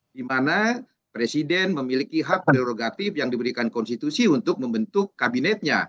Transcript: dimana presiden memiliki hak prerogatif yang diberikan konstitusi untuk membentuk kabinetnya